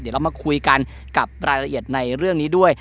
เดี๋ยวเรามาคุยกันกับรายละเอียดในเรื่องนี้ด้วย